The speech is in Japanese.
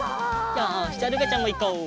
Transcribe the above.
よしじゃあるかちゃんもいこう！